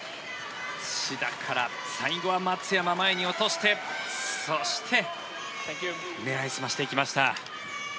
志田から最後は松山前に落としてそして狙い澄ましていきました。